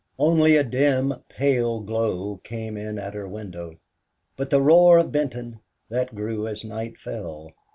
Only a dim, pale glow came in at her window. But the roar of Benton that grew as night fell.